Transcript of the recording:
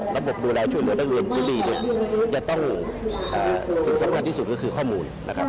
ดูแลช่วยเหลือนักเรียนที่ดีเนี่ยจะต้องสิ่งสำคัญที่สุดก็คือข้อมูลนะครับ